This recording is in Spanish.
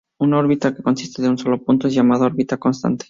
Una órbita que consiste de un solo punto es llamada órbita constante.